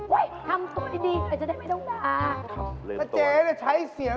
ก็ฉันด่าพวกเธอจนเสียงฉันแหบเป็นอย่างนี้ไม่พอแล้วเนี่ย